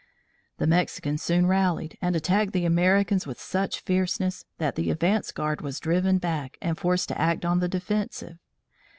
The Mexicans soon rallied and attacked the Americans with such fierceness that the advance guard was driven back and forced to act on the defensive.